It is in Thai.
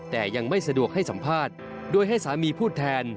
แต่ยังไม่สะดวกให้สัมภาษณ์โดยให้สามีพูดแทน